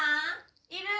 いる？